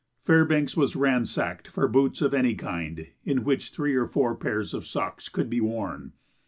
Fairbanks was ransacked for boots of any kind in which three or four pairs of socks could be worn.